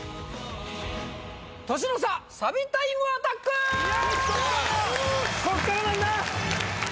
サビタイムアタックこっからなんだ！